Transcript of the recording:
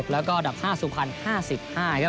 แล้วก็ดับ๕๐๐๕๕นะครับ